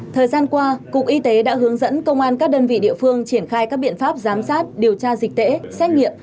thời gian qua cục y tế đã hướng dẫn công an các đơn vị địa phương triển khai các biện pháp giám sát điều tra dịch tễ xét nghiệm